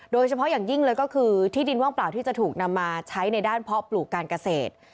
โดยเฉพาะอย่างยิ่งเลยก็คือที่ดินว่างเปล่าที่จะถูกนำมาใช้ในด้านเพาะปลูกการเกษตร